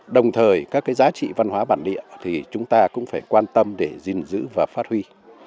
đồng thời các cái giá trị văn hóa bản địa thì chúng ta cũng phải quan tâm để gìn giữ và phát huy